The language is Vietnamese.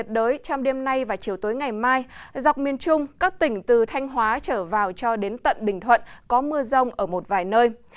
trong đêm nay và chiều tối ngày mai dọc miền trung các tỉnh từ thanh hóa trở vào cho đến tận bình thuận có mưa rông ở một vài nơi